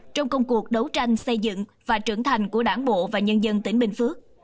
trong công cuộc đấu tranh xây dựng và trưởng thành của đảng bộ và nhân dân tỉnh bình phước